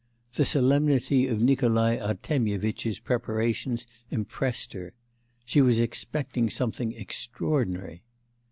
The solemnity of Nikolai Artemyevitch's preparations impressed her. She was expecting something extraordinary.